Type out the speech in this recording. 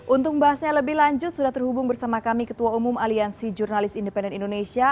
untuk bahasnya lebih lanjut sudah terhubung bersama kami ketua umum aliansi jurnalis independen indonesia